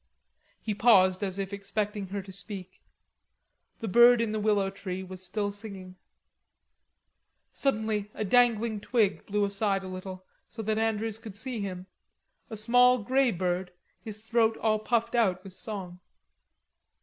He paused as if expecting her to speak. The bird in the willow tree was still singing. Suddenly a dangling twig blew aside a little so that Andrews could see him a small grey bird, his throat all puffed out with song.